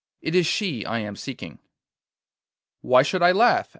It is she I am seeking.' 'Why should I laugh?